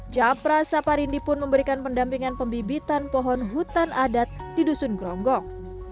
japra saparindi pun memberikan pendampingan pembibitan pohon hutan adat di dusun gronggong